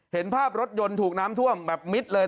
เห็นภาพรถยนต์ถูกน้ำท่วมแบบมิดเลย